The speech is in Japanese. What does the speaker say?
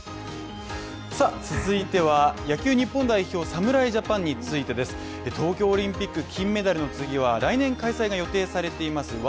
続いては、野球日本代表侍ジャパンについてです東京オリンピック金メダルの次は来年開催が予定されています